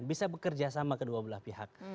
bisa bekerja sama kedua belah pihak